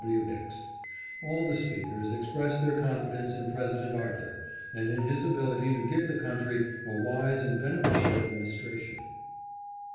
W. Hicks. All the speakers expressed their confidence in President Arthur, and in his ability to give the country a wise and beneficial administration.